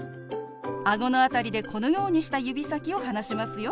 あごの辺りでこのようにした指先を離しますよ。